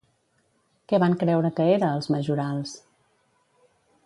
Què van creure que era, els majorals?